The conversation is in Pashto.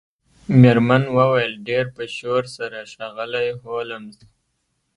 میرمن وویل ډیر په شور سره ښاغلی هولمز